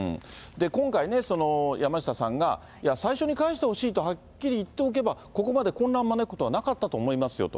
今回、山下さんが最初に返してほしいとはっきり言っておけば、ここまで混乱を招くことはなかったと思いますよと。